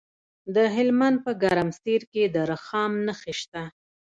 د هلمند په ګرمسیر کې د رخام نښې شته.